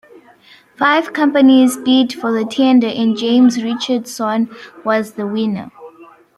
Five companies bid for the tender and James Richardson was the winner.